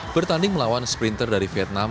bertanding melawan sprinter dari vietnam